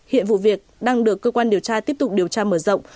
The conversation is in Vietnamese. hiện vụ việc đang được cơ quan điều tra tiếp tục điều tra mở rộng